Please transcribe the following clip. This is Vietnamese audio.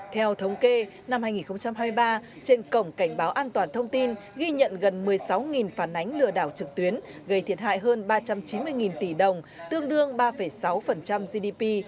theo thống kê năm hai nghìn hai mươi ba trên cổng cảnh báo an toàn thông tin ghi nhận gần một mươi sáu phản ánh lừa đảo trực tuyến gây thiệt hại hơn ba trăm chín mươi tỷ đồng tương đương ba sáu gdp